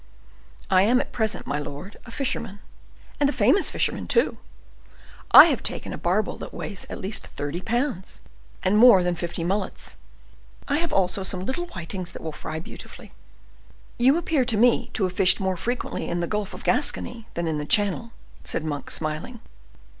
"I am at present, my lord—a fisherman, and a famous fisherman, too. I have taken a barbel that weighs at least thirty pounds, and more than fifty mullets; I have also some little whitings that will fry beautifully." "You appear to me to have fished more frequently in the Gulf of Gascony than in the Channel," said Monk, smiling.